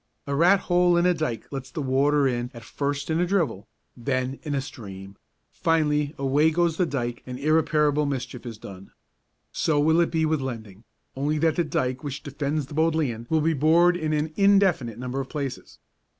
A rat hole in a dyke lets the water in at first in a dribble, then in a stream, finally away goes the dyke and irreparable mischief is done. So will it be with lending, only that the dyke which defends the Bodleian will be bored in an indefinite number of places.